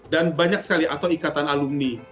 dan banyak sekali atau ikatan alumni